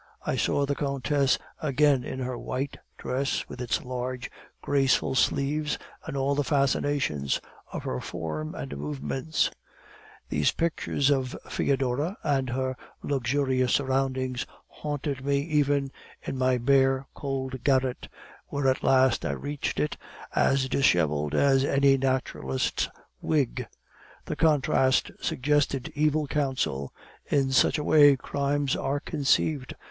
I saw the countess again in her white dress with its large graceful sleeves, and all the fascinations of her form and movements. These pictures of Foedora and her luxurious surroundings haunted me even in my bare, cold garret, when at last I reached it, as disheveled as any naturalist's wig. The contrast suggested evil counsel; in such a way crimes are conceived.